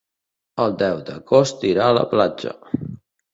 El deu d'agost irà a la platja.